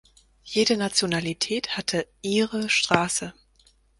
Jede Nationalität hatte „ihre“ Straße.